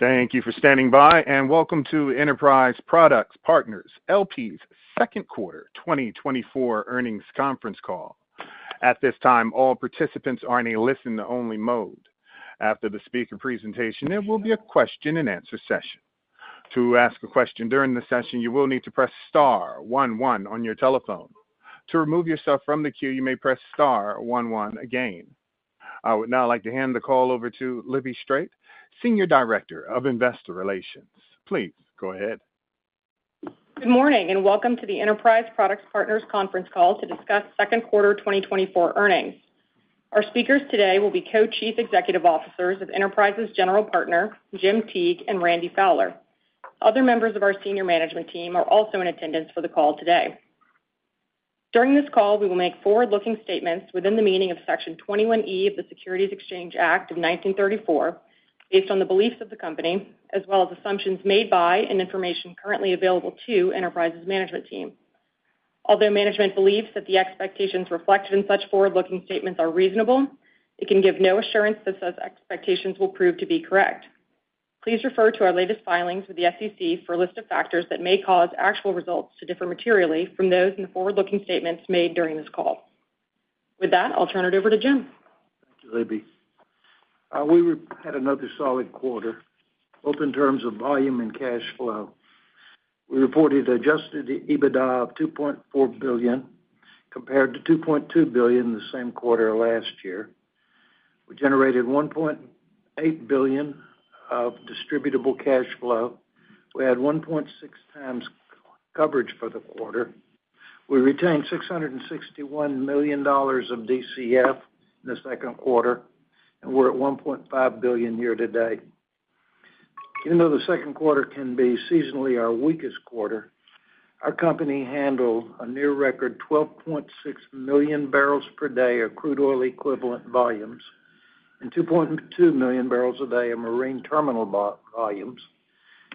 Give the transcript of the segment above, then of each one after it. Thank you for standing by, and welcome to Enterprise Products Partners L.P.'s second quarter 2024 earnings conference call. At this time, all participants are in a listen-only mode. After the speaker presentation, there will be a question-and-answer session. To ask a question during the session, you will need to press star one one on your telephone. To remove yourself from the queue, you may press star one one again. I would now like to hand the call over to Libby Strait, Senior Director of Investor Relations. Please go ahead. Good morning, and welcome to the Enterprise Products Partners conference call to discuss second quarter 2024 earnings. Our speakers today will be Co-Chief Executive Officers of Enterprise's general partner, Jim Teague, and Randy Fowler. Other members of our senior management team are also in attendance for the call today. During this call, we will make forward-looking statements within the meaning of Section 21E of the Securities Exchange Act of 1934, based on the beliefs of the company, as well as assumptions made by and information currently available to Enterprise's management team. Although management believes that the expectations reflected in such forward-looking statements are reasonable, it can give no assurance that such expectations will prove to be correct. Please refer to our latest filings with the SEC for a list of factors that may cause actual results to differ materially from those in the forward-looking statements made during this call. With that, I'll turn it over to Jim. Thank you, Libby. We had another solid quarter, both in terms of volume and cash flow. We reported Adjusted EBITDA of $2.4 billion, compared to $2.2 billion the same quarter last year. We generated $1.8 billion of Distributable Cash Flow. We had 1.6 times coverage for the quarter. We retained $661 million of DCF in the second quarter, and we're at $1.5 billion year-to-date. Even though the second quarter can be seasonally our weakest quarter, our company handled a near-record 12.6 million barrels per day of crude oil equivalent volumes and 2.2 million barrels a day of marine terminal volumes,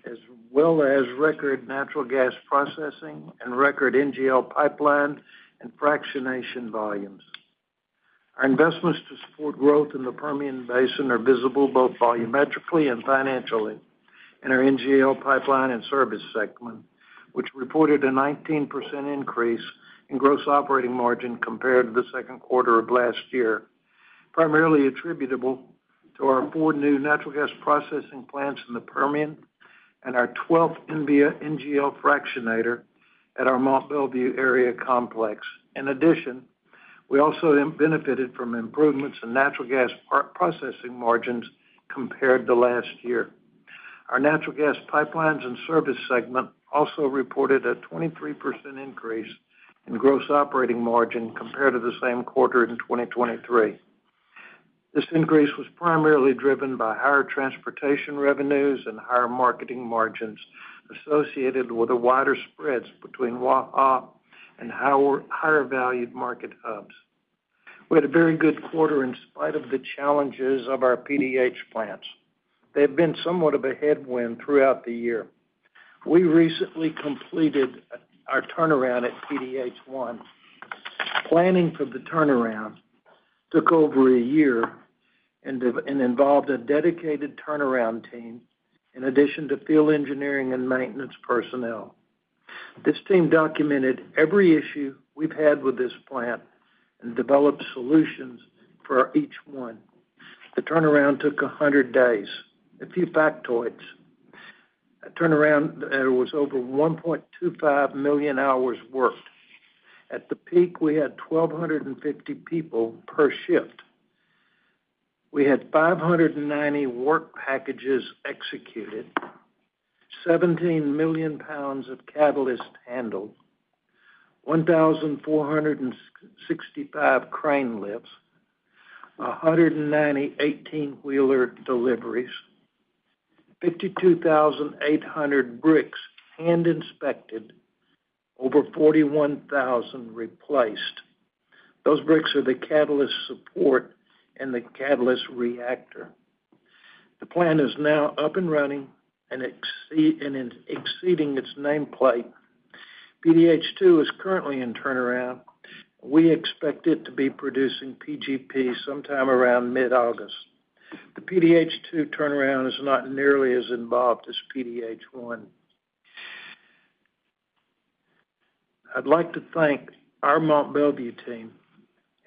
as well as record natural gas processing and record NGL pipeline and fractionation volumes. Our investments to support growth in the Permian Basin are visible both volumetrically and financially in our NGL pipeline and service segment, which reported a 19% increase in gross operating margin compared to the second quarter of last year, primarily attributable to our four new natural gas processing plants in the Permian and our 12th NGL fractionator at our Mont Belvieu area complex. In addition, we also benefited from improvements in natural gas processing margins compared to last year. Our natural gas pipelines and service segment also reported a 23% increase in gross operating margin compared to the same quarter in 2023. This increase was primarily driven by higher transportation revenues and higher marketing margins associated with a wider spread between Waha and higher-valued market hubs. We had a very good quarter in spite of the challenges of our PDH plants. They have been somewhat of a headwind throughout the year. We recently completed our turnaround at PDH 1. Planning for the turnaround took over a year and involved a dedicated turnaround team, in addition to field engineering and maintenance personnel. This team documented every issue we've had with this plant and developed solutions for each one. The turnaround took 100 days. A few factoids: a turnaround that was over 1.25 million hours worked. At the peak, we had 1,250 people per shift. We had 590 work packages executed, 17 million pounds of catalyst handled, 1,465 crane lifts, 190 18-wheeler deliveries, 52,800 bricks hand-inspected, over 41,000 replaced. Those bricks are the catalyst support and the catalyst reactor. The plant is now up and running and exceeding its nameplate. PDH 2 is currently in turnaround. We expect it to be producing PGP sometime around mid-August. The PDH 2 turnaround is not nearly as involved as PDH 1. I'd like to thank our Mont Belvieu team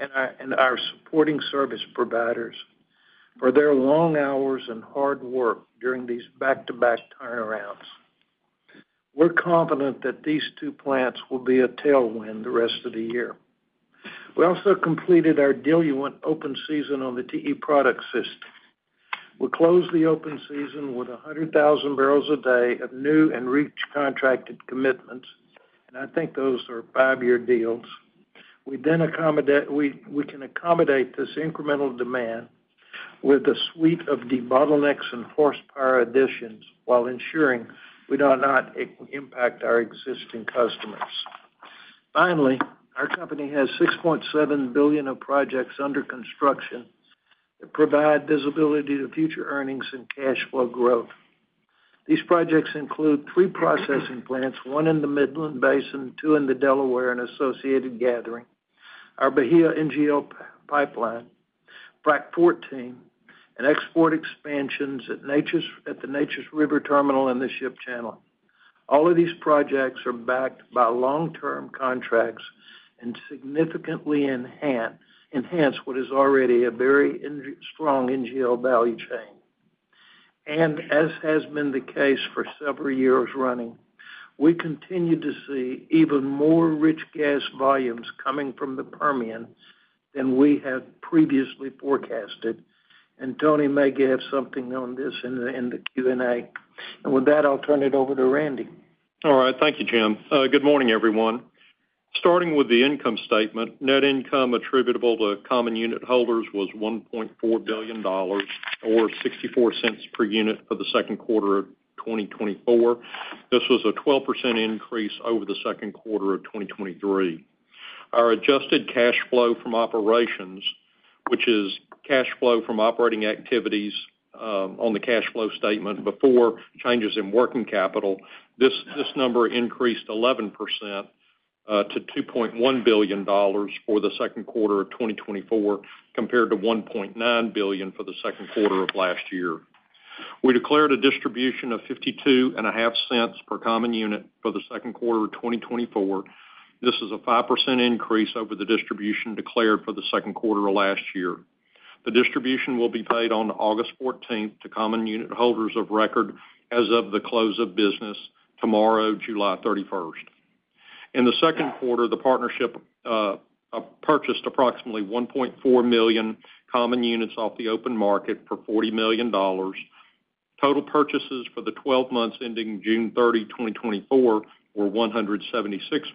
and our supporting service providers for their long hours and hard work during these back-to-back turnarounds. We're confident that these two plants will be a tailwind the rest of the year. We also completed our diluent open season on the TE Products Pipeline system. We closed the open season with 100,000 barrels a day of new and renewed contracted commitments, and I think those are five-year deals. We can accommodate this incremental demand with a suite of debottlenecks and horsepower additions while ensuring we do not impact our existing customers. Finally, our company has $6.7 billion of projects under construction that provide visibility to future earnings and cash flow growth. These projects include three processing plants, one in the Midland Basin, two in the Delaware and Associated Gathering, our Bahia NGL Pipeline, Frac 14, and export expansions at the Neches River Terminal and the Houston Ship Channel. All of these projects are backed by long-term contracts and significantly enhance what is already a very strong NGL value chain. As has been the case for several years running, we continue to see even more rich gas volumes coming from the Permian than we have previously forecasted. Tony may give something on this in the Q&A. With that, I'll turn it over to Randy. All right. Thank you, Jim. Good morning, everyone. Starting with the income statement, net income attributable to common unit holders was $1.4 billion, or $0.64 per unit for the second quarter of 2024. This was a 12% increase over the second quarter of 2023. Our adjusted cash flow from operations, which is cash flow from operating activities on the cash flow statement before changes in working capital, this number increased 11% to $2.1 billion for the second quarter of 2024, compared to $1.9 billion for the second quarter of last year. We declared a distribution of $0.525 per common unit for the second quarter of 2024. This is a 5% increase over the distribution declared for the second quarter of last year. The distribution will be paid on August 14th to common unit holders of record as of the close of business tomorrow, July 31st. In the second quarter, the partnership purchased approximately 1.4 million common units off the open market for $40 million. Total purchases for the 12 months ending June 30, 2024, were $176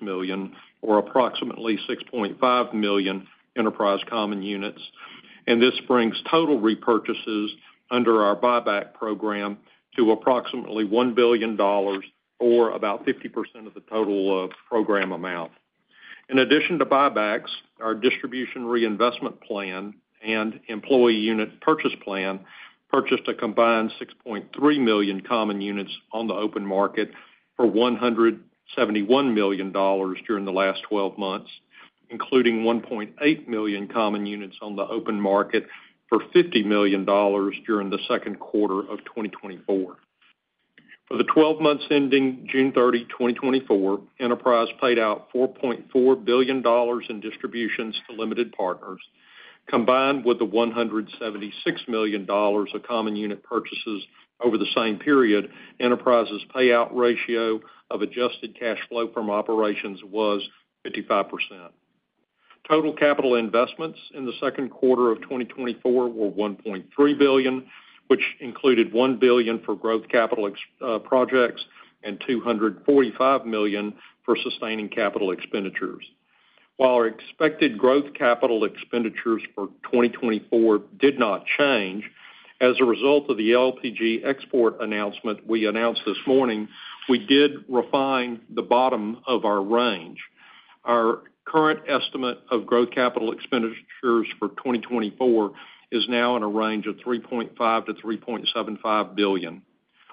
million, or approximately 6.5 million Enterprise common units. This brings total repurchases under our buyback program to approximately $1 billion, or about 50% of the total program amount. In addition to buybacks, our Distribution Reinvestment Plan and Employee Unit Purchase Plan purchased a combined 6.3 million common units on the open market for $171 million during the last 12 months, including 1.8 million common units on the open market for $50 million during the second quarter of 2024. For the 12 months ending June 30, 2024, Enterprise paid out $4.4 billion in distributions to limited partners. Combined with the $176 million of common unit purchases over the same period, Enterprise's payout ratio of adjusted cash flow from operations was 55%. Total capital investments in the second quarter of 2024 were $1.3 billion, which included $1 billion for growth capital projects and $245 million for sustaining capital expenditures. While our expected growth capital expenditures for 2024 did not change as a result of the LPG export announcement we announced this morning, we did refine the bottom of our range. Our current estimate of growth capital expenditures for 2024 is now in a range of $3.5-$3.75 billion.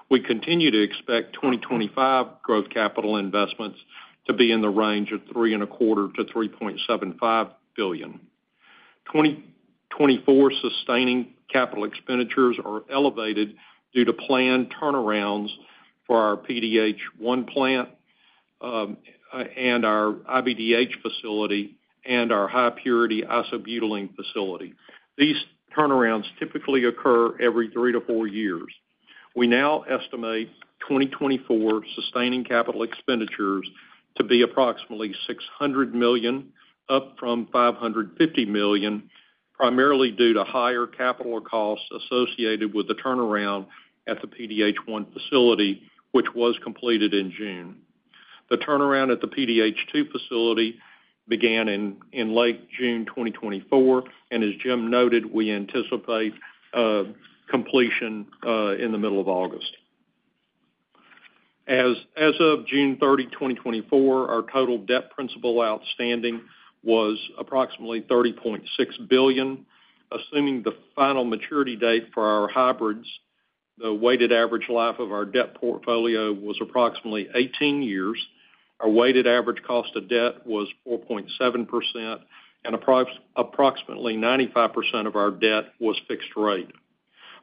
We continue to expect 2025 growth capital investments to be in the range of $3.25-$3.75 billion. 2024 sustaining capital expenditures are elevated due to planned turnarounds for our PDH 1 plant and our IBDH facility and our high-purity isobutylene facility. These turnarounds typically occur every three to four years. We now estimate 2024 sustaining capital expenditures to be approximately $600 million, up from $550 million, primarily due to higher capital costs associated with the turnaround at the PDH 1 facility, which was completed in June. The turnaround at the PDH 2 facility began in late June 2024. As Jim noted, we anticipate completion in the middle of August. As of June 30, 2024, our total debt principal outstanding was approximately $30.6 billion. Assuming the final maturity date for our hybrids, the weighted average life of our debt portfolio was approximately 18 years. Our weighted average cost of debt was 4.7%, and approximately 95% of our debt was fixed rate.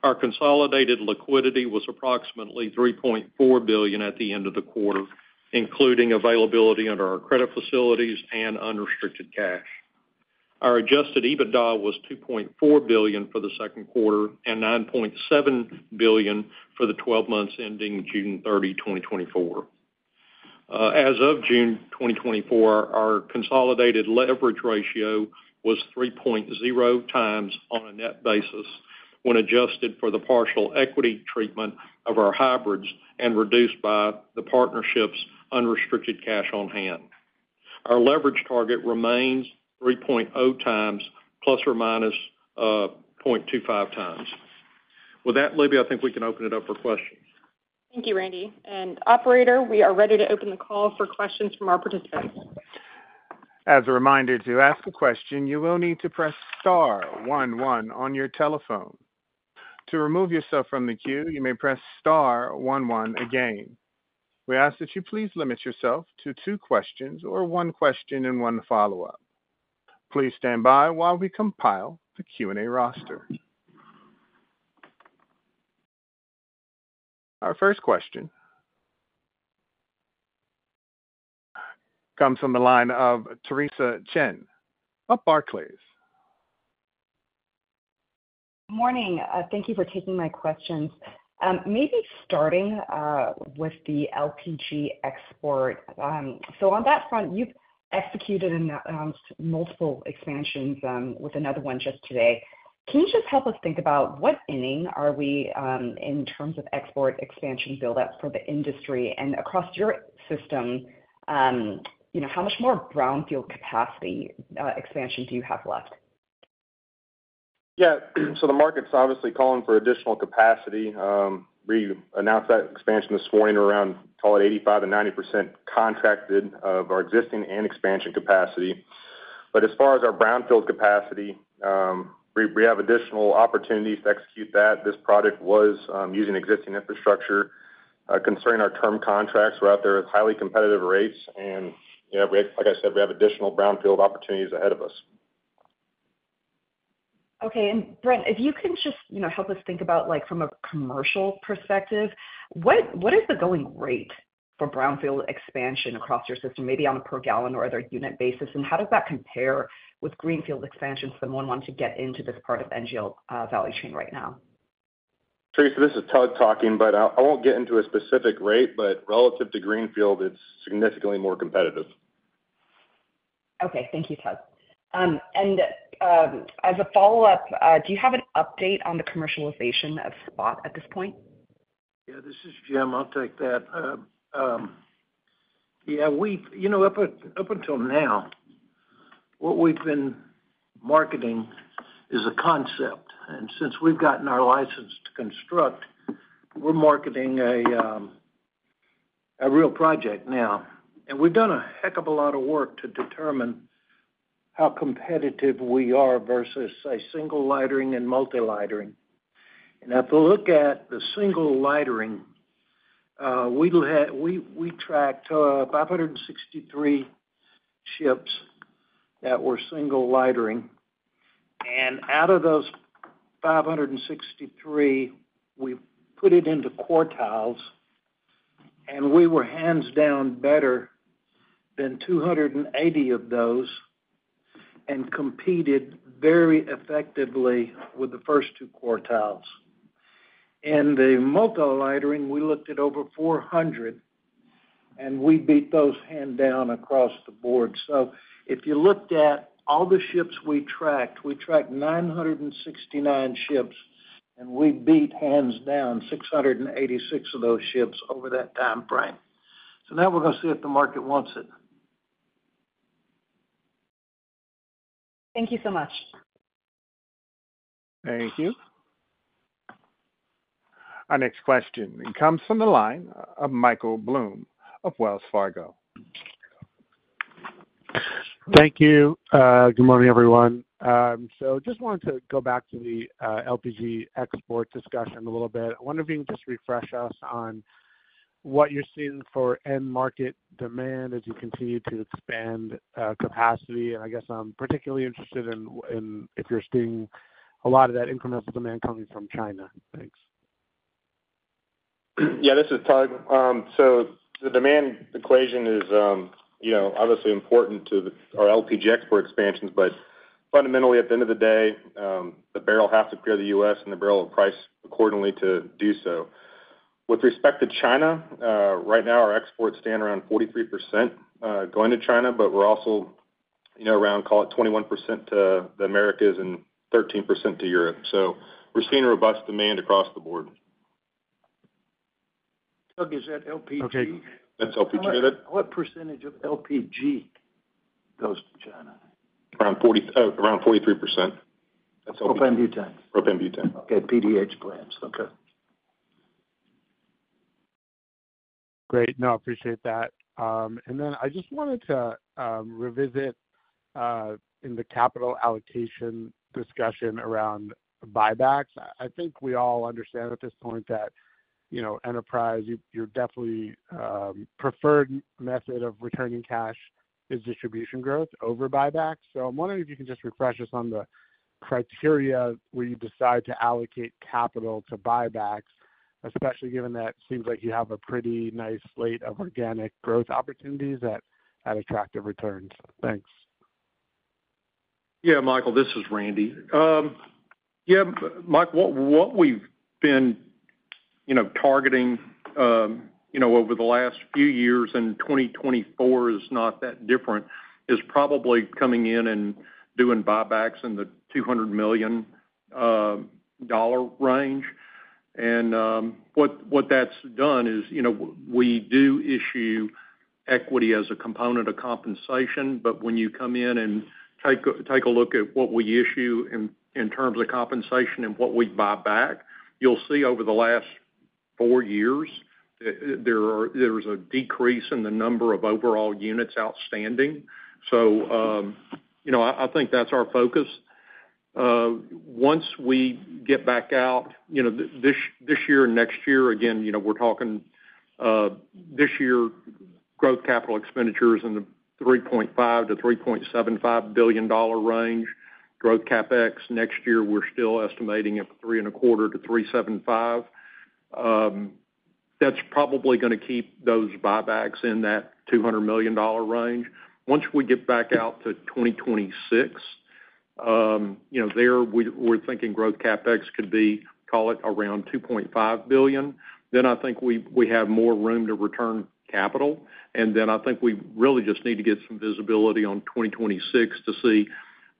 Our consolidated liquidity was approximately $3.4 billion at the end of the quarter, including availability under our credit facilities and unrestricted cash. Our Adjusted EBITDA was $2.4 billion for the second quarter and $9.7 billion for the 12 months ending June 30, 2024. As of June 2024, our consolidated leverage ratio was 3.0 times on a net basis when adjusted for the partial equity treatment of our hybrids and reduced by the partnership's unrestricted cash on hand. Our leverage target remains 3.0 times ±0.25 times. With that, Libby, I think we can open it up for questions. Thank you, Randy. Operator, we are ready to open the call for questions from our participants. As a reminder, to ask a question, you will need to press star one one on your telephone. To remove yourself from the queue, you may press star one one again. We ask that you please limit yourself to two questions or one question and one follow-up. Please stand by while we compile the Q&A roster. Our first question comes from the line of Teresa Chen of Barclays. Good morning. Thank you for taking my questions. Maybe starting with the LPG export. So on that front, you've executed and announced multiple expansions with another one just today. Can you just help us think about what inning are we in terms of export expansion build-up for the industry and across your system? How much more brownfield capacity expansion do you have left? Yeah. So the market's obviously calling for additional capacity. We announced that expansion this morning around, call it 85%-90% contracted of our existing and expansion capacity. But as far as our brownfield capacity, we have additional opportunities to execute that. This project was using existing infrastructure. Concerning our term contracts, we're out there at highly competitive rates. And like I said, we have additional brownfield opportunities ahead of us. Okay. And Brent, if you can just help us think about from a commercial perspective, what is the going rate for brownfield expansion across your system, maybe on a per gallon or other unit basis? And how does that compare with greenfield expansions from anyone wanting to get into this part of the NGL value chain right now? Teresa, this is Tug talking, but I won't get into a specific rate, but relative to greenfield, it's significantly more competitive. Okay. Thank you, Tug. And as a follow-up, do you have an update on the commercialization of SPOT at this point? Yeah. This is Jim. I'll take that. Yeah. Up until now, what we've been marketing is a concept. And since we've gotten our license to construct, we're marketing a real project now. And we've done a heck of a lot of work to determine how competitive we are versus a single lightering and multi-lightering. And if we look at the single lightering, we tracked 563 ships that were single lightering. And out of those 563, we put it into quartiles, and we were hands down better than 280 of those and competed very effectively with the first two quartiles. In the multi-lightering, we looked at over 400, and we beat those hands down across the board. So if you looked at all the ships we tracked, we tracked 969 ships, and we beat hands down 686 of those ships over that time frame. Now we're going to see if the market wants it. Thank you so much. Thank you. Our next question comes from the line of Michael Blum of Wells Fargo. Thank you. Good morning, everyone. Just wanted to go back to the LPG export discussion a little bit. I wonder if you can just refresh us on what you're seeing for end market demand as you continue to expand capacity. I guess I'm particularly interested in if you're seeing a lot of that incremental demand coming from China. Thanks. Yeah. This is Tug. So the demand equation is obviously important to our LPG export expansions, but fundamentally, at the end of the day, the barrel has to clear the U.S., and the barrel will price accordingly to do so. With respect to China, right now, our exports stand around 43% going to China, but we're also around, call it 21% to the Americas and 13% to Europe. So we're seeing robust demand across the board. Tug, is that LPG? That's LPG. What percentage of LPG goes to China? Around 43%. Propane butane. Propane butane. Okay. PDH plants. Okay. Great. No, I appreciate that. Then I just wanted to revisit in the capital allocation discussion around buybacks. I think we all understand at this point that Enterprise, you're definitely preferred method of returning cash is distribution growth over buybacks. I'm wondering if you can just refresh us on the criteria where you decide to allocate capital to buybacks, especially given that it seems like you have a pretty nice slate of organic growth opportunities that attract the returns. Thanks. Yeah, Michael, this is Randy. Yeah, Mike, what we've been targeting over the last few years in 2024 is not that different. It's probably coming in and doing buybacks in the $200 million range. And what that's done is we do issue equity as a component of compensation. But when you come in and take a look at what we issue in terms of compensation and what we buy back, you'll see over the last four years, there was a decrease in the number of overall units outstanding. So I think that's our focus. Once we get back out this year and next year, again, we're talking this year growth capital expenditures in the $3.5 billion-$3.75 billion range, growth CapEx. Next year, we're still estimating at $3.25 billion-$3.75 billion. That's probably going to keep those buybacks in that $200 million range. Once we get back out to 2026, there we're thinking growth CapEx could be, call it around $2.5 billion. Then I think we have more room to return capital. And then I think we really just need to get some visibility on 2026 to see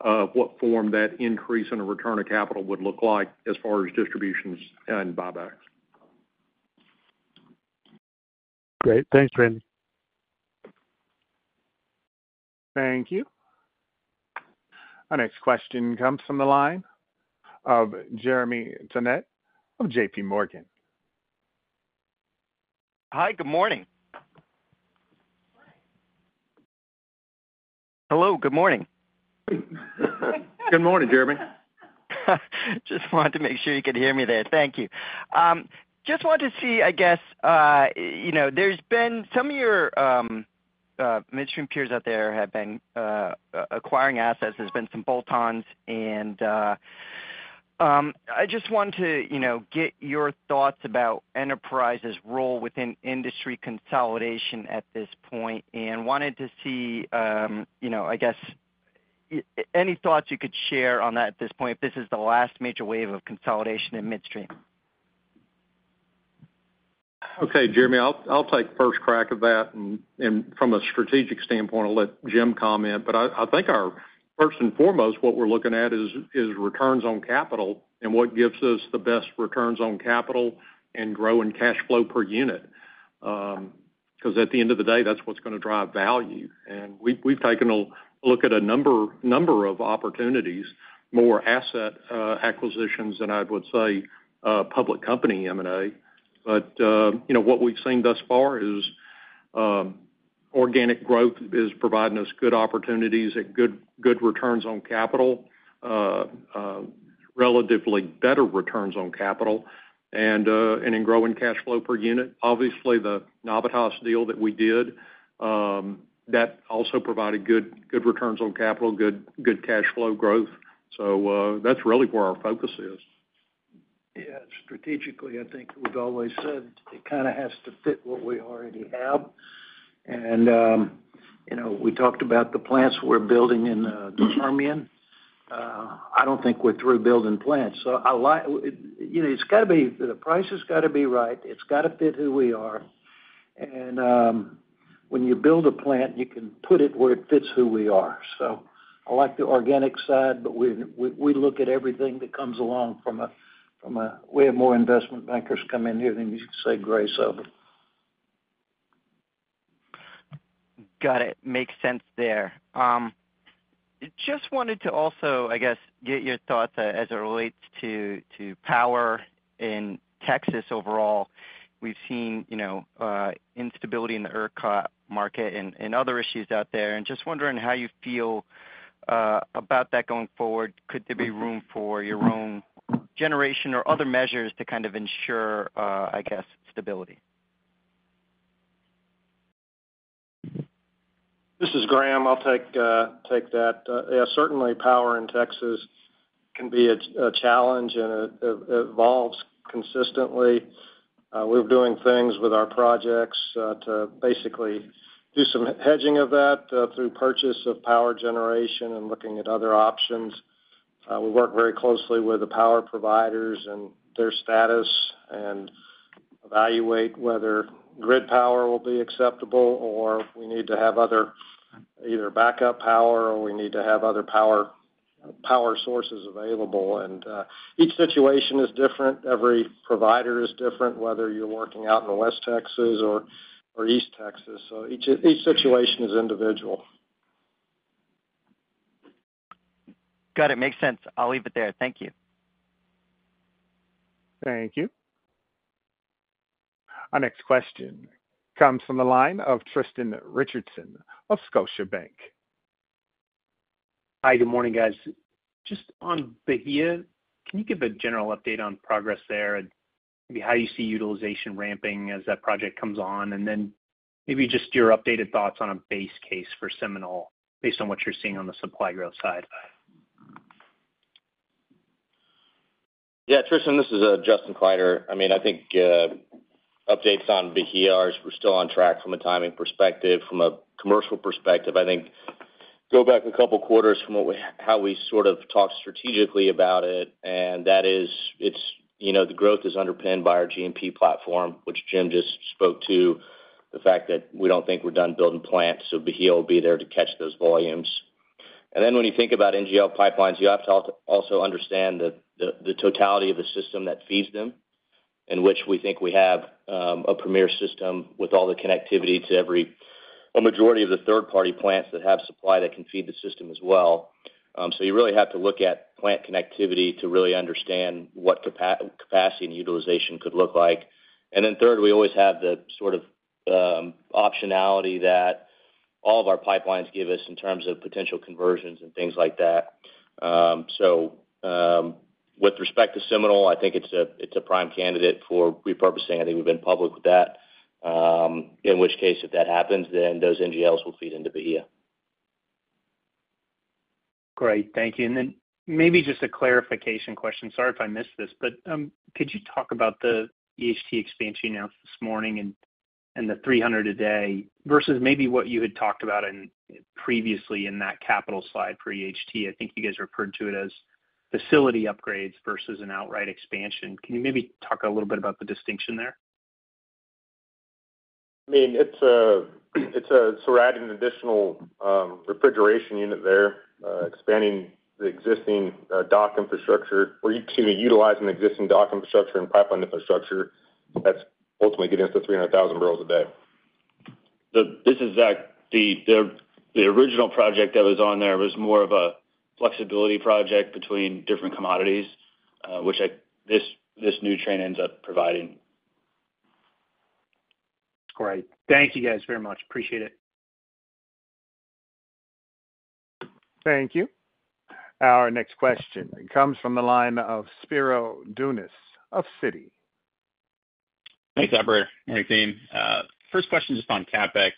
what form that increase in a return of capital would look like as far as distributions and buybacks. Great. Thanks, Randy. Thank you. Our next question comes from the line of Jeremy Tonet of J.P. Morgan. Hi, good morning. Hello, good morning. Good morning, Jeremy. Just wanted to make sure you could hear me there. Thank you. Just wanted to see, I guess, there's been some of your midstream peers out there have been acquiring assets. There's been some bolt-ons. And I just wanted to get your thoughts about Enterprise's role within industry consolidation at this point. And wanted to see, I guess, any thoughts you could share on that at this point if this is the last major wave of consolidation in midstream. Okay, Jeremy, I'll take first crack at that. From a strategic standpoint, I'll let Jim comment. But I think first and foremost, what we're looking at is returns on capital and what gives us the best returns on capital and grow in cash flow per unit. Because at the end of the day, that's what's going to drive value. We've taken a look at a number of opportunities, more asset acquisitions than I would say public company M&A. But what we've seen thus far is organic growth is providing us good opportunities at good returns on capital, relatively better returns on capital, and in growing cash flow per unit. Obviously, the Navitas deal that we did, that also provided good returns on capital, good cash flow growth. So that's really where our focus is. Yeah. Strategically, I think we've always said it kind of has to fit what we already have. And we talked about the plants we're building in the area. I don't think we're through building plants. So it's got to be the price has got to be right. It's got to fit who we are. And when you build a plant, you can put it where it fits who we are. So I like the organic side, but we look at everything that comes along from a we have more investment bankers come in here than you can shake a stick at them. Got it. Makes sense there. Just wanted to also, I guess, get your thoughts as it relates to power in Texas overall. We've seen instability in the ERCOT market and other issues out there. Just wondering how you feel about that going forward. Could there be room for your own generation or other measures to kind of ensure, I guess, stability? This is Graham. I'll take that. Yeah, certainly power in Texas can be a challenge and it evolves consistently. We're doing things with our projects to basically do some hedging of that through purchase of power generation and looking at other options. We work very closely with the power providers and their status and evaluate whether grid power will be acceptable or we need to have other either backup power or we need to have other power sources available. And each situation is different. Every provider is different, whether you're working out in West Texas or East Texas. So each situation is individual. Got it. Makes sense. I'll leave it there. Thank you. Thank you. Our next question comes from the line of Tristan Richardson of Scotiabank. Hi, good morning, guys. Just on Bahia, can you give a general update on progress there and maybe how you see utilization ramping as that project comes on? And then maybe just your updated thoughts on a base case for Seminole based on what you're seeing on the supply growth side. Yeah, Tristan, this is Justin Kleiderer. I mean, I think updates on Bahia are still on track from a timing perspective. From a commercial perspective, I think go back a couple of quarters from how we sort of talked strategically about it. And that is the growth is underpinned by our G&P platform, which Jim just spoke to, the fact that we don't think we're done building plants. So Bahia will be there to catch those volumes. And then when you think about NGL pipelines, you have to also understand the totality of the system that feeds them, in which we think we have a premier system with all the connectivity to a majority of the third-party plants that have supply that can feed the system as well. So you really have to look at plant connectivity to really understand what capacity and utilization could look like. And then third, we always have the sort of optionality that all of our pipelines give us in terms of potential conversions and things like that. So with respect to Seminole, I think it's a prime candidate for repurposing. I think we've been public with that. In which case, if that happens, then those NGLs will feed into Bahia. Great. Thank you. Then maybe just a clarification question. Sorry if I missed this, but could you talk about the EHT expansion you announced this morning and the 300 a day versus maybe what you had talked about previously in that capital slide for EHT? I think you guys referred to it as facility upgrades versus an outright expansion. Can you maybe talk a little bit about the distinction there? I mean, it's a surrounding additional refrigeration unit there, expanding the existing dock infrastructure or utilizing the existing dock infrastructure and pipeline infrastructure that's ultimately getting us to 300,000 barrels a day. This is Zach. The original project that was on there was more of a flexibility project between different commodities, which this new train ends up providing. Great. Thank you guys very much. Appreciate it. Thank you. Our next question comes from the line of Spiro Dounis of Citi. Thanks, A.J. Thanks, team. First question just on CapEx,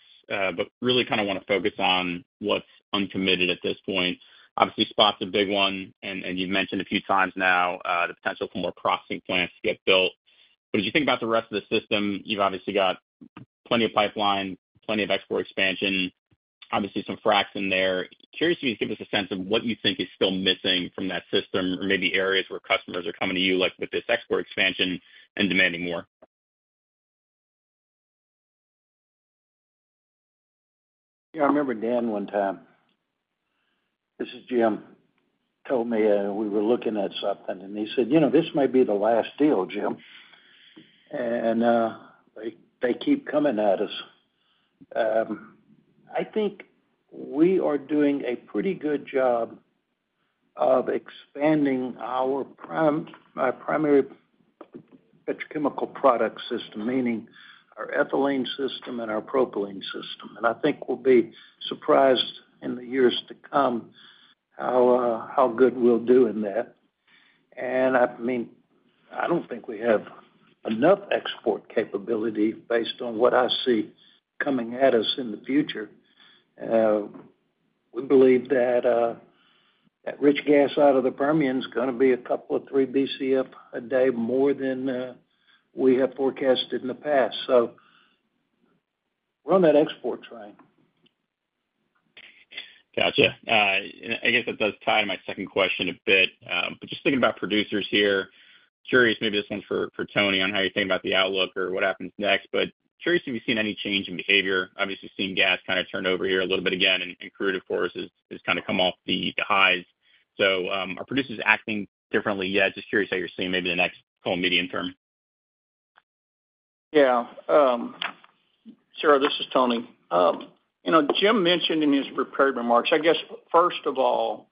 but really kind of want to focus on what's uncommitted at this point. Obviously, SPOT's a big one, and you've mentioned a few times now the potential for more processing plants to get built. But as you think about the rest of the system, you've obviously got plenty of pipeline, plenty of export expansion, obviously some frac in there. Curious if you could give us a sense of what you think is still missing from that system or maybe areas where customers are coming to you with this export expansion and demanding more. Yeah, I remember Dan one time. This is Jim. Told me we were looking at something, and he said, "This might be the last deal, Jim." They keep coming at us. I think we are doing a pretty good job of expanding our primary petrochemical product system, meaning our ethylene system and our propylene system. I think we'll be surprised in the years to come how good we'll do in that. I mean, I don't think we have enough export capability based on what I see coming at us in the future. We believe that rich gas out of the Permian is going to be a couple of 3 BCF a day more than we have forecasted in the past. So we're on that export train. Gotcha. And I guess that does tie to my second question a bit. But just thinking about producers here, curious, maybe this one's for Tony on how you're thinking about the outlook or what happens next. But curious if you've seen any change in behavior. Obviously, seeing gas kind of turn over here a little bit again, and crude of course has kind of come off the highs. So are producers acting differently yet? Just curious how you're seeing maybe the next couple of medium term. Yeah. Sure. This is Tony. Jim mentioned in his prepared remarks, I guess, first of all,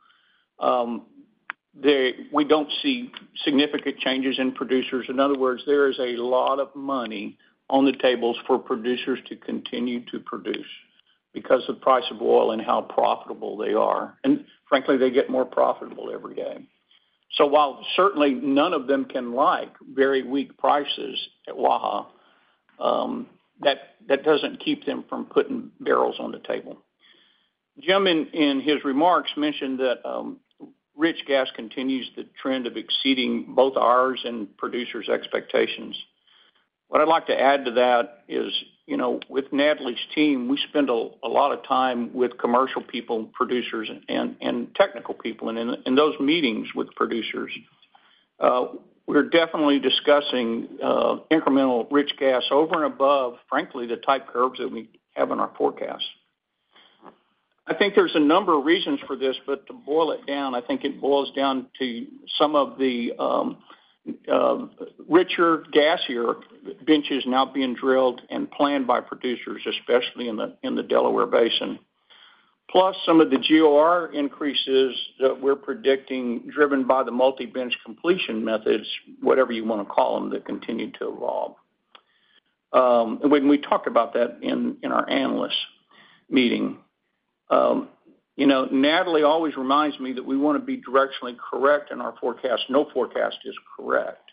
we don't see significant changes in producers. In other words, there is a lot of money on the tables for producers to continue to produce because of the price of oil and how profitable they are. And frankly, they get more profitable every day. So while certainly none of them can like very weak prices at Waha, that doesn't keep them from putting barrels on the table. Jim in his remarks mentioned that rich gas continues the trend of exceeding both ours and producers' expectations. What I'd like to add to that is with Natalie's team, we spend a lot of time with commercial people, producers, and technical people. And in those meetings with producers, we're definitely discussing incremental rich gas over and above, frankly, the type curves that we have in our forecasts. I think there's a number of reasons for this, but to boil it down, I think it boils down to some of the richer gassier benches now being drilled and planned by producers, especially in the Delaware Basin. Plus some of the GOR increases that we're predicting driven by the multi-bench completion methods, whatever you want to call them, that continue to evolve. And we talked about that in our analyst meeting. Natalie always reminds me that we want to be directionally correct in our forecast. No forecast is correct.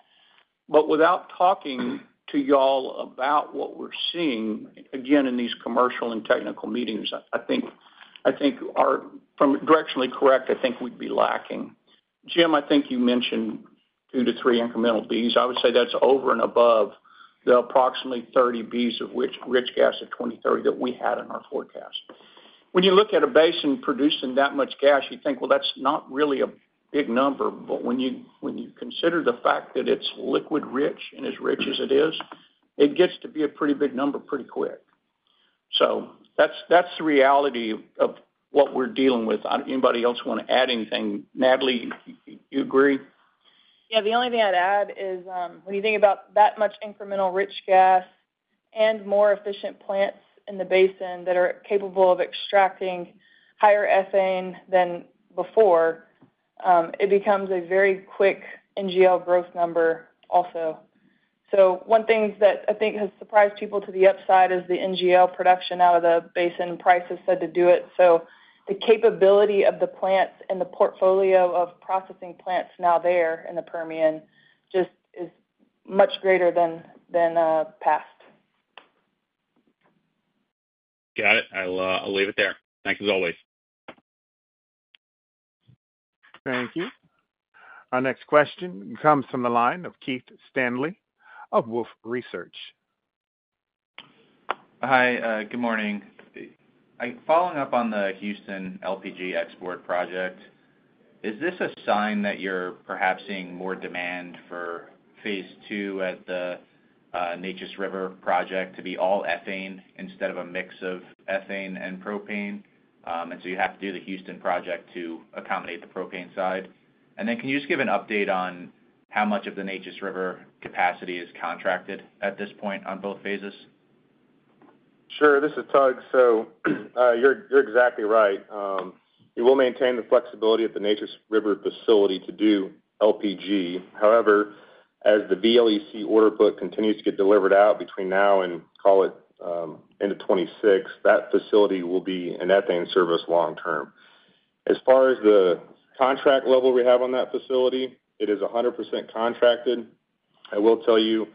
But without talking to y'all about what we're seeing, again, in these commercial and technical meetings, I think from directionally correct, I think we'd be lacking. Jim, I think you mentioned 2-3 incremental Bs. I would say that's over and above the approximately 30 Bs of rich gas of 2030 that we had in our forecast. When you look at a basin producing that much gas, you think, "Well, that's not really a big number." But when you consider the fact that it's liquid rich and as rich as it is, it gets to be a pretty big number pretty quick. So that's the reality of what we're dealing with. Anybody else want to add anything? Natalie, you agree? Yeah. The only thing I'd add is when you think about that much incremental rich gas and more efficient plants in the basin that are capable of extracting higher ethane than before, it becomes a very quick NGL growth number also. So one thing that I think has surprised people to the upside is the NGL production out of the basin price is said to do it. So the capability of the plants and the portfolio of processing plants now there in the Permian just is much greater than past. Got it. I'll leave it there. Thanks as always. Thank you. Our next question comes from the line of Keith Stanley of Wolfe Research. Hi. Good morning. Following up on the Houston LPG export project, is this a sign that you're perhaps seeing more demand for phase two at the Neches River project to be all ethane instead of a mix of ethane and propane? And so you have to do the Houston project to accommodate the propane side. And then can you just give an update on how much of the Neches River capacity is contracted at this point on both phases? Sure. This is Tug. So you're exactly right. We will maintain the flexibility at the Neches River facility to do LPG. However, as the VLEC order book continues to get delivered out between now and call it end of 2026, that facility will be in ethane service long term. As far as the contract level we have on that facility, it is 100% contracted. I will tell you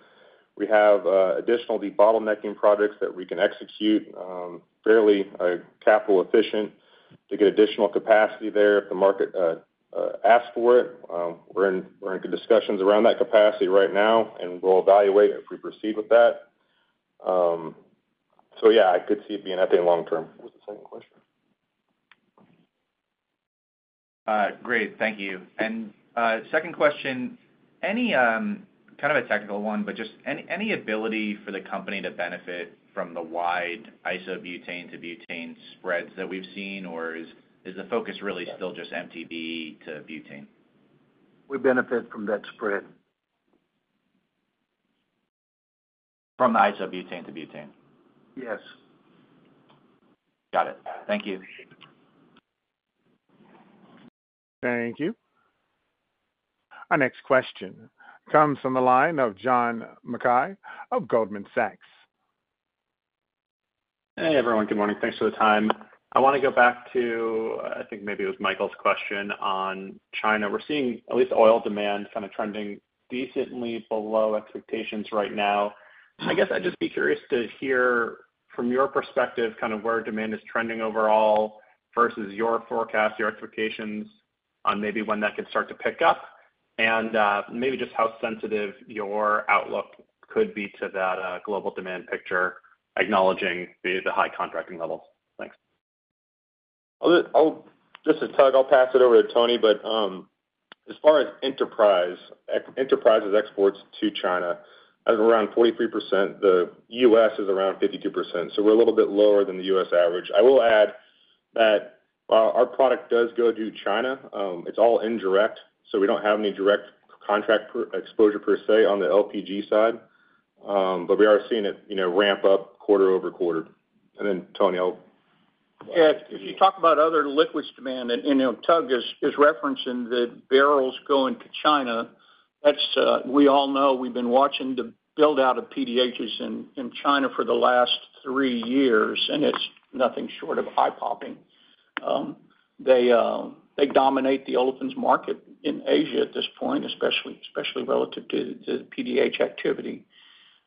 we have additional debottlenecking projects that we can execute fairly capital efficient to get additional capacity there if the market asks for it. We're in good discussions around that capacity right now, and we'll evaluate if we proceed with that. So yeah, I could see it being ethane long term. Was the second question? Great. Thank you. Second question, kind of a technical one, but just any ability for the company to benefit from the wide isobutane to butane spreads that we've seen, or is the focus really still just MTB to butane? We benefit from that spread. From the isobutane to butane? Yes. Got it. Thank you. Thank you. Our next question comes from the line of John Mackay of Goldman Sachs. Hey, everyone. Good morning. Thanks for the time. I want to go back to, I think maybe it was Michael's question on China. We're seeing at least oil demand kind of trending decently below expectations right now. I guess I'd just be curious to hear from your perspective kind of where demand is trending overall versus your forecast, your expectations on maybe when that can start to pick up, and maybe just how sensitive your outlook could be to that global demand picture, acknowledging the high contracting levels. Thanks. This is Tug. I'll pass it over to Tony. But as far as Enterprise, Enterprise's exports to China, that's around 43%. The U.S. is around 52%. So we're a little bit lower than the U.S. average. I will add that while our product does go to China, it's all indirect. So we don't have any direct contract exposure per se on the LPG side. But we are seeing it ramp up quarter over quarter. And then Tony, I'll. Yeah. If you talk about other liquids demand, and Tug is referencing the barrels going to China, we all know we've been watching the buildout of PDHs in China for the last three years, and it's nothing short of eye-popping. They dominate the olefin market in Asia at this point, especially relative to the PDH activity.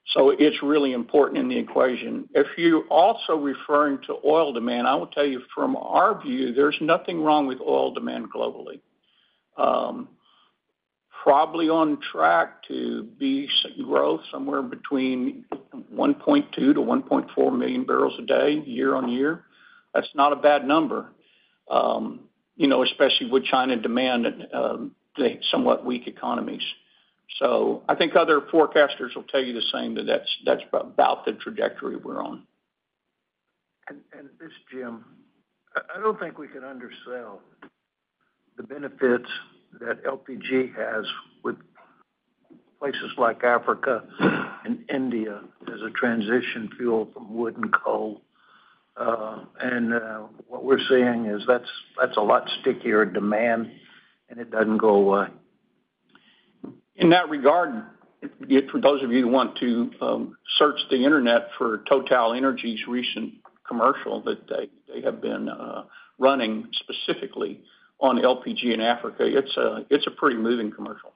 So it's really important in the equation. If you're also referring to oil demand, I will tell you from our view, there's nothing wrong with oil demand globally. Probably on track to be growth somewhere between 1.2-1.4 million barrels a day, year-on-year. That's not a bad number, especially with China demanding somewhat weak economies. So I think other forecasters will tell you the same that that's about the trajectory we're on. This is Jim. I don't think we can undersell the benefits that LPG has with places like Africa and India as a transition fuel from wood and coal. What we're seeing is that's a lot stickier in demand, and it doesn't go away. In that regard, for those of you who want to search the internet for TotalEnergies' recent commercial that they have been running specifically on LPG in Africa, it's a pretty moving commercial.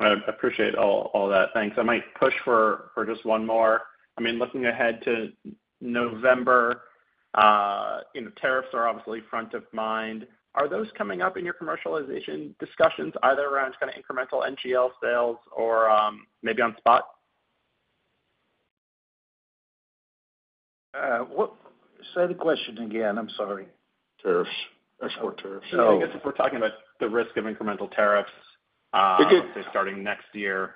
I appreciate all that. Thanks. I might push for just one more. I mean, looking ahead to November, tariffs are obviously front of mind. Are those coming up in your commercialization discussions either around kind of incremental NGL sales or maybe on SPOT? Say the question again. I'm sorry. Tariffs. Export tariffs. So I guess if we're talking about the risk of incremental tariffs starting next year,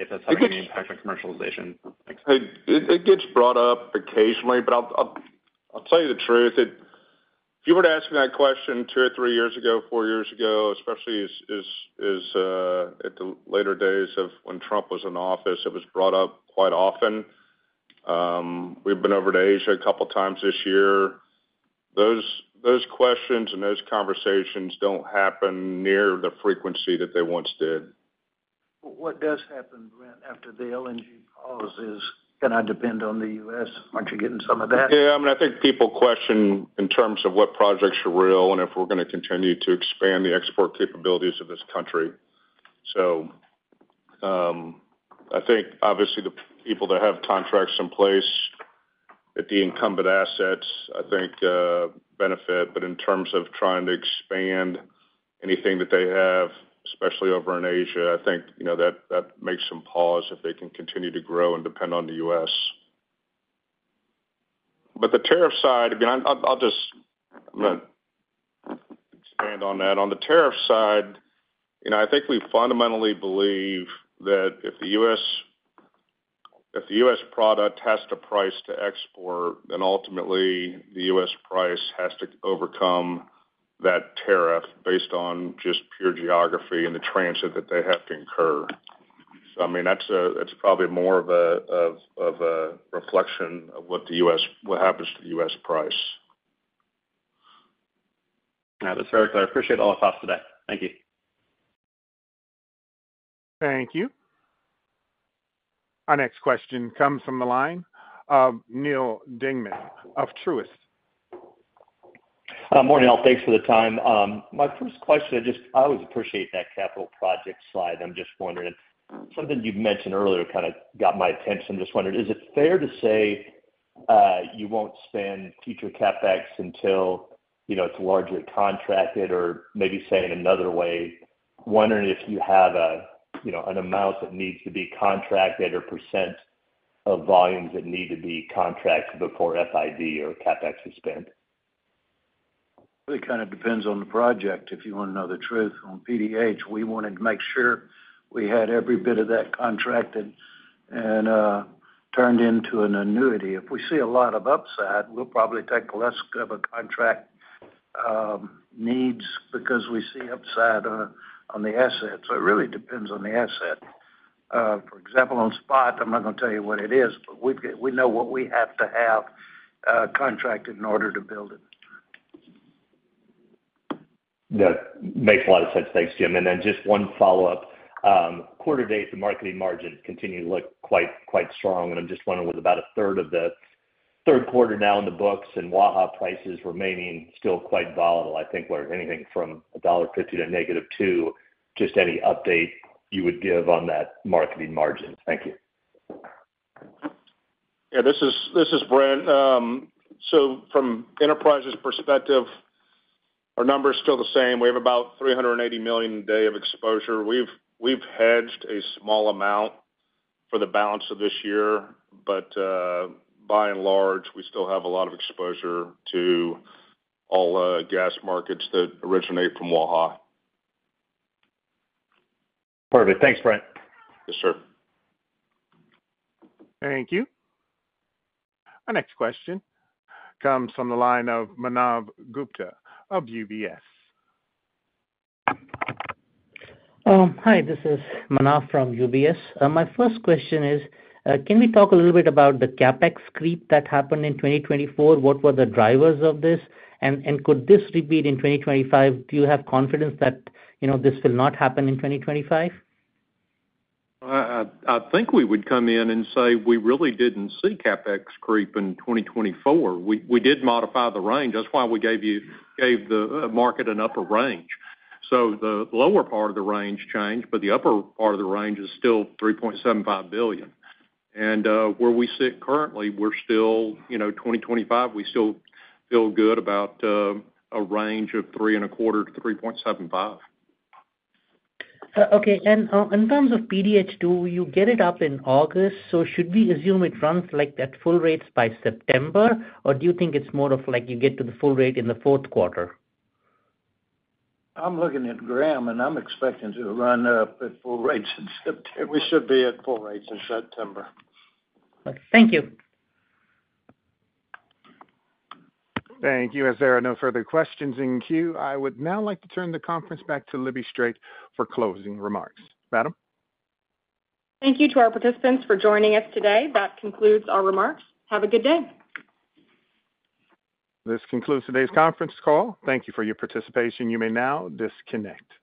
if that's having any impact on commercialization? It gets brought up occasionally, but I'll tell you the truth. If you were to ask me that question two or three years ago, four years ago, especially at the latter days of when Trump was in office, it was brought up quite often. We've been over to Asia a couple of times this year. Those questions and those conversations don't happen near the frequency that they once did. What does happen, Brent, after the LNG pause is, "Can I depend on the U.S.? Aren't you getting some of that? Yeah. I mean, I think people question in terms of what projects are real and if we're going to continue to expand the export capabilities of this country. So I think obviously the people that have contracts in place at the incumbent assets, I think, benefit. But in terms of trying to expand anything that they have, especially over in Asia, I think that makes them pause if they can continue to grow and depend on the U.S. But the tariff side, I mean, I'll just expand on that. On the tariff side, I think we fundamentally believe that if the U.S. product has to price to export, then ultimately the U.S. price has to overcome that tariff based on just pure geography and the transit that they have to incur. So I mean, that's probably more of a reflection of what happens to the U.S. price. That is very clear. Appreciate all the thoughts today. Thank you. Thank you. Our next question comes from the line of Neal Dingmann of Truist. Morning, all. Thanks for the time. My first question, I always appreciate that capital project slide. I'm just wondering if something you've mentioned earlier kind of got my attention. I'm just wondering, is it fair to say you won't spend future CapEx until it's largely contracted? Or maybe saying another way, wondering if you have an amount that needs to be contracted or % of volumes that need to be contracted before FID or CapEx is spent? It kind of depends on the project. If you want to know the truth, on PDH, we wanted to make sure we had every bit of that contracted and turned into an annuity. If we see a lot of upside, we'll probably take less of a contract needs because we see upside on the asset. So it really depends on the asset. For example, on SPOT, I'm not going to tell you what it is, but we know what we have to have contracted in order to build it. That makes a lot of sense. Thanks, Jim. And then just one follow-up. Quarter-to-date, the marketing margins continue to look quite strong. And I'm just wondering, with about a third of the third quarter now in the books and Waha prices remaining still quite volatile, I think we're anything from $1.50 to -$2. Just any update you would give on that marketing margin? Thank you. Yeah. This is Brent. So from Enterprise's perspective, our number is still the same. We have about 380 million a day of exposure. We've hedged a small amount for the balance of this year. But by and large, we still have a lot of exposure to all gas markets that originate from Waha. Perfect. Thanks, Brent. Yes, sir. Thank you. Our next question comes from the line of Manav Gupta of UBS. Hi. This is Manav from UBS. My first question is, can we talk a little bit about the CapEx creep that happened in 2024? What were the drivers of this? And could this repeat in 2025? Do you have confidence that this will not happen in 2025? I think we would come in and say we really didn't see CapEx creep in 2024. We did modify the range. That's why we gave the market an upper range. So the lower part of the range changed, but the upper part of the range is still $3.75 billion. And where we sit currently, we're still 2025, we still feel good about a range of $3.25 billion-$3.75 billion. Okay. In terms of PDH2, you get it up in August. Should we assume it runs at full rates by September, or do you think it's more of like you get to the full rate in the fourth quarter? I'm looking at Graham, and I'm expecting to run up at full rates in September. We should be at full rates in September. Thank you. Thank you. As there are no further questions in queue, I would now like to turn the conference back to Libby Strait for closing remarks. Madam? Thank you to our participants for joining us today. That concludes our remarks. Have a good day. This concludes today's conference call. Thank you for your participation. You may now disconnect.